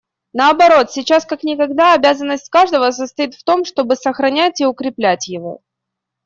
Наоборот, сейчас как никогда обязанность каждого состоит в том, чтобы сохранять и укреплять его.